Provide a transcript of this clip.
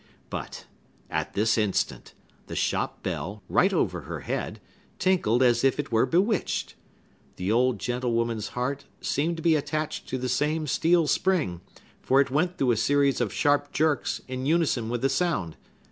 But, at this instant, the shop bell, right over her head, tinkled as if it were bewitched. The old gentlewoman's heart seemed to be attached to the same steel spring, for it went through a series of sharp jerks, in unison with the sound.